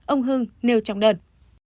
ông hưng nêu trong đơn